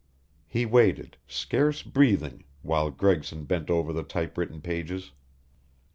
"He waited, scarce breathing, while Gregson bent over the typewritten pages.